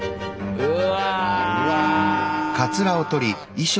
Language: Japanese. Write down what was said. うわ。